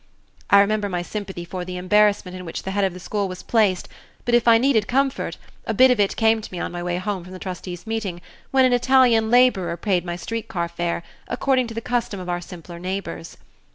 I remember my sympathy for the embarrassment in which the head of the school was placed, but if I needed comfort, a bit of it came to me on my way home from the trustees' meeting when an Italian laborer paid my street car fare, according to the custom of our simpler neighbors.